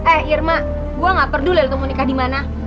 eh irma gue gak perlu liat lo mau nikah di mana